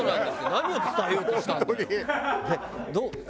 何を伝えようとしたんだよ。